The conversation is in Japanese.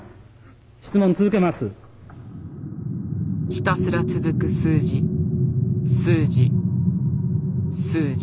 ひたすら続く数字数字数字。